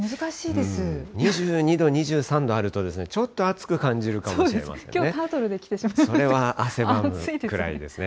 ２２度、２３度あると、ちょっと暑く感じるかもしれませんね。